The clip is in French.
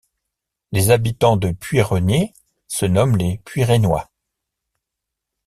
Les habitants de Puyrenier se nomment les Puyrénois.